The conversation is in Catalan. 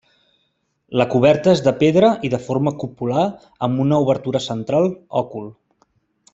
La coberta és de pedra, i de forma cupular amb una obertura central, òcul.